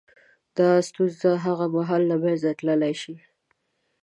• دا ستونزې هغه مهال له منځه تلای شي.